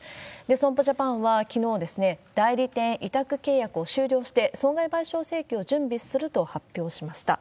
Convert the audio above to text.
損保ジャパンはきのう、代理店委託契約を終了して、損害賠償請求を準備すると発表しました。